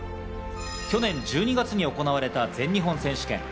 去年１２月に行われた全日本選手権。